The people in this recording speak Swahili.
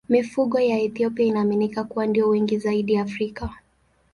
Mifugo ya Ethiopia inaaminika kuwa ndiyo wengi zaidi Afrika.